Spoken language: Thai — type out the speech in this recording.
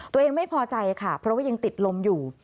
ตัวเองไม่พอใจค่ะเพราะว่ายังติดลมอยู่